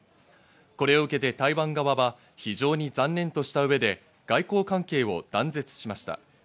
これを受けて台湾側は、非常に残念とした上で、外交関係を断絶しました。